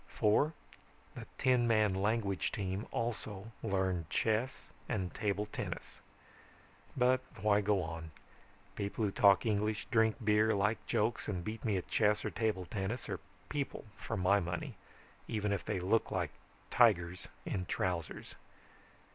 "Four, the ten man language team also learned chess and table tennis. "But why go on? People who talk English, drink beer, like jokes and beat me at chess or table tennis are people for my money, even if they look like tigers in trousers.